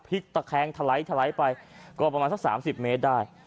พลิกตะแค้งทะไลท์ไปก็ประมาณสัก๓๐เมตรได้